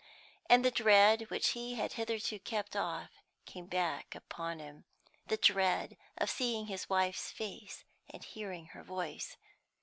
And the dread which he had hitherto kept off came back upon him, the dread of seeing his wife's face and hearing her voice.